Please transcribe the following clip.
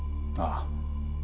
ああ。